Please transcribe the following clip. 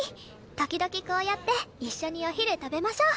時々こうやって一緒にお昼食べましょう。